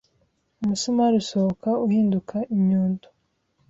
Umusumari usohoka uhinduka inyundo.